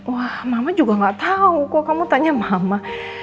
wah mama juga gak tahu kok kamu tanya mama